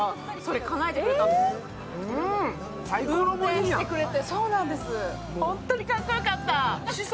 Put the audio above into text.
運転してくれて。